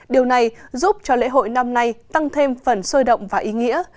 điều này giúp cho lễ hội năm nay tăng thêm phần sôi động và ý nghĩa